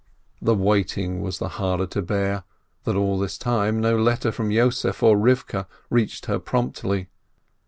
The waiting was the harder to bear that all this time no letter from Yossef or Eivkeh reached her promptly.